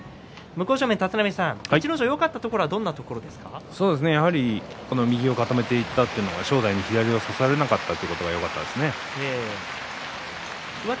向正面、立浪さん逸ノ城のよかったところは右を固めていった正代に左を差されなかったことがよかったですね。